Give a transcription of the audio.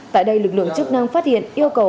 tại đây lực lượng chức năng phát hiện yêu cầu